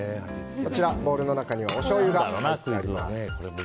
ボウルの中にはおしょうゆがあります。